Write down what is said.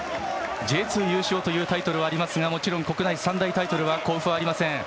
Ｊ２優勝というタイトルはありますがもちろん国内三大タイトルは甲府はありません。